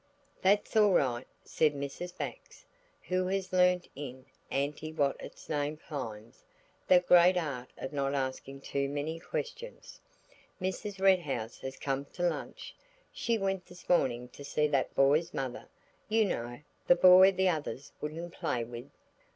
"That's all right," said Mrs. Bax, who has learnt in anti what's its name climes the great art of not asking too many questions. "Mrs. Red House has come to lunch. She went this morning to see that boy's mother–you know, the boy the others wouldn't play with?"